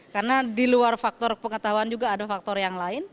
karena di luar faktor pengetahuan juga ada faktor yang lain